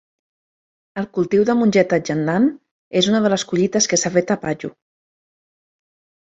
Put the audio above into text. El cultiu de mongeta Jangdan és una de les collites que s'ha fet a Paju.